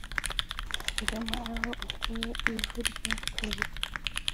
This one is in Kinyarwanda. I Roma aho utuye ivu ryo kwibuka